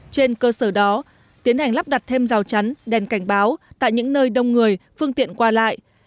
trên cơ sở đó tiến hành lắp đặt thêm rào chắn đèn cảnh báo tại những nơi đông người phương tiện qua lại